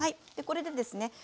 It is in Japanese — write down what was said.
これでですね